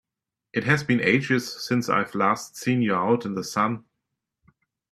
It has been ages since I've last seen you out in the sun!